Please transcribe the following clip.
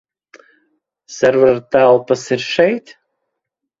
Servera telpas ir šeit?